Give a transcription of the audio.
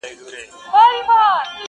موږ به کله تر منزل پوري رسیږو!!